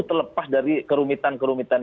terlepas dari kerumitan kerumitan